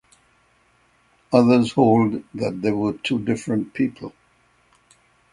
Others hold that they were two different people.